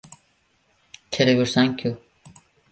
— Kelib yuribsan-ku?